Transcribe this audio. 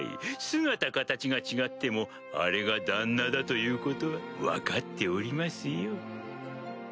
姿形が違ってもあれが旦那だということは分かっておりますよ。